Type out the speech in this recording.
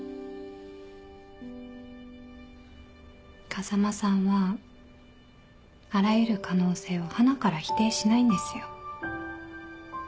風間さんはあらゆる可能性をはなから否定しないんですよ。